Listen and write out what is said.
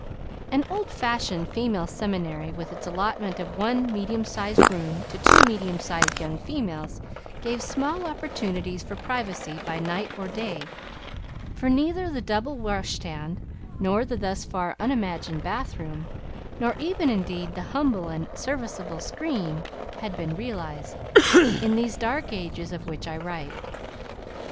An old fashioned Female Seminary, with its allotment of one medium sized room to two medium sized young females, gave small opportunities for privacy by night or day, for neither the double washstand, nor the thus far unimagined bathroom, nor even indeed the humble and serviceable screen, had been realized, in these dark ages of which I write.